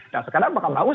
nah sekarang bakal merangus